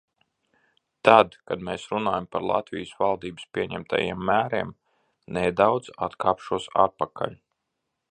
Tad, kad mēs runājam par Latvijas valdības pieņemtajiem mēriem, nedaudz atkāpšos atpakaļ.